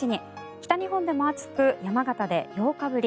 北日本でも暑く、山形で８日ぶり